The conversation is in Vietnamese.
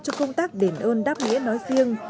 cho công tác đền ơn đáp nghĩa nói riêng